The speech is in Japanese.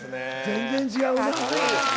全然違うな。